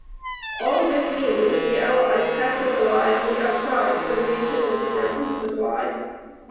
All this means that the Allies have to rely on the outside for the maintenance of their food supply.